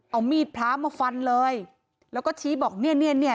เอามีดพระมาฟันเลยแล้วก็ชี้บอกเนี่ยเนี่ย